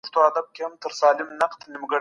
آیا مذهبي بدلون د ټولني فکر بدلوي؟